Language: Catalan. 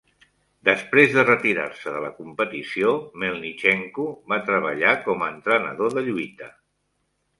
Després de retirar-se de la competició, Melnichenko va treballar com a entrenador de lluita.